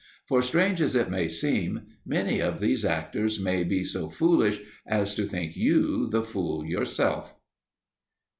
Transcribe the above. For, strange as it may seem, many of these actors may be so foolish as to think you the fool yourself!